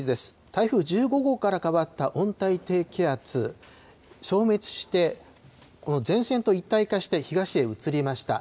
台風１５号から変わった温帯低気圧、消滅して、この前線と一体化して東へ移りました。